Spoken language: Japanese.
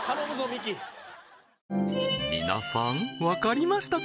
ミキ皆さんわかりましたか？